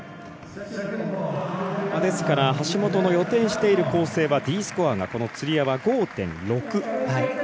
ですから橋本の予定している構成はＤスコアがこのつり輪は５．６。